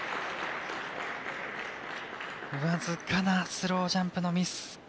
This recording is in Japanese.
僅かなスロージャンプのミス。